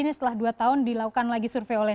ini setelah dua tahun dilakukan lagi survei oleh